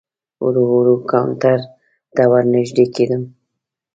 ورو ورو کاونټر ته ور نږدې کېدم.